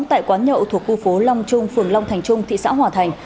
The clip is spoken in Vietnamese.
tại quán nhậu thuộc khu phố long trung phường long thành trung thị xã hòa thành